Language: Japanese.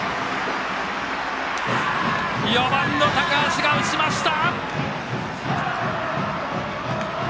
４番の高橋が打ちました！